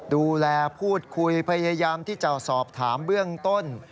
ดูแลพูดคุยพยายามที่จะสอบถามเบื้องต้น